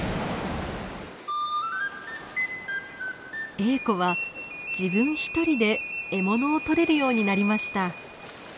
エーコは自分一人で獲物をとれるようになりました。